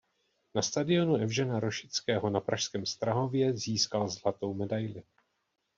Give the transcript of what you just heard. Na stadionu Evžena Rošického na pražském Strahově získal zlatou medaili.